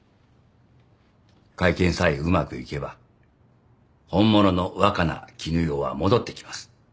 会見さえうまくいけば本物の若菜絹代は戻ってきます。